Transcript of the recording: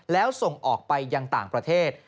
แล้วส่งออกไปยังต่างประเทศ